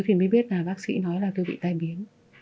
tôi biết là bác sĩ nói là tôi bị tai biến